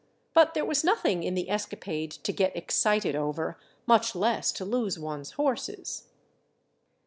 But there was nothing in the escapade to get excited over, much less to lose one's horses.